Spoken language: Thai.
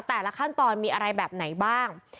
แต่ละขั้นตอนมีอะไรแบบไหนบ้าง